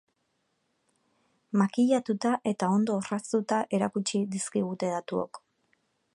Makillatuta eta ondo orraztuta erakutsi dizkigute datuok.